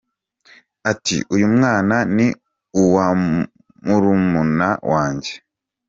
Ati uyu mwana ni uwa murumuna wanjye!